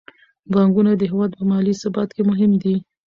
بانکونه د هیواد په مالي ثبات کې مهم دي.